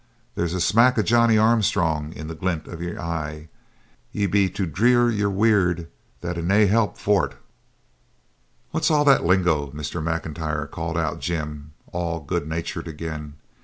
There's a smack o' Johnnie Armstrong in the glint o' yer e'e. Ye'll be to dree yer weird, there's nae help for't.' 'What's all that lingo, Mr. M'Intyre?' called out Jim, all good natured again.